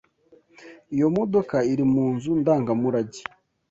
Iyo modoka iri mu nzu ndangamurage.